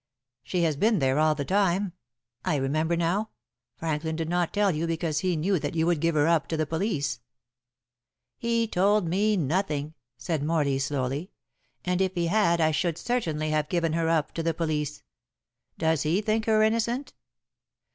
"She has been there all the time. I remember now. Franklin did not tell you, because he knew that you would give her up to the police." "He told me nothing," said Morley slowly, "and if he had I should certainly have given her up to the police. Does he think her innocent?"